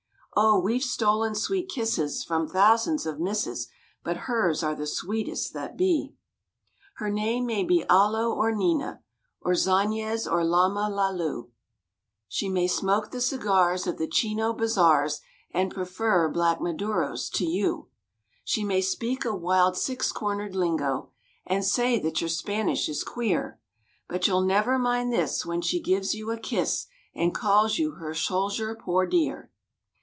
Oh! we've stolen sweet kisses from thousands of misses, But hers are the sweetest that be. Her name may be Ahlo or Nina, Or Zanez or Lalamaloo; She may smoke the cigars Of the chino bazars, And prefer black maduros to you; She may speak a wild six cornered lingo, And say that your Spanish is queer, But you'll never mind this When she gives you a kiss And calls you her "zolshier poy dear."